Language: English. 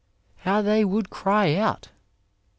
How they would cry out !